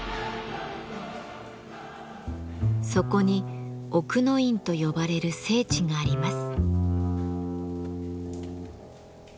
そこに奥の院と呼ばれる聖地があります。